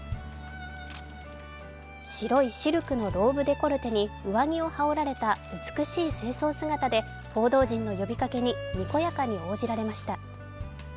白いシルクのローブデコルテに上着を羽織られた美しい正装姿で報道陣の呼びかけに、にこやかに応じられました。